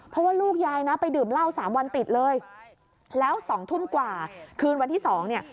เพราะว่าลูกยายนะไปดื่มเหล้าสามวันติดเลยแล้วสองทุ่มกว่าคืนวันที่สองเนี่ย